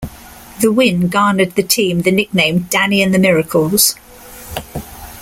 The win garnered the team the nickname "Danny and the Miracles".